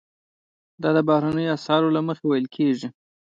دا د بهرنیو اسعارو له مخې ویل کیږي.